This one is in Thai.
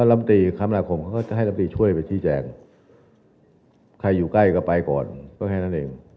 คำระครองก็เข้าให้ลำตรีช่วยไปชิดแจ่งใครอยู่ใกล้ก็ไปก่อนก็แค่นั้นเอง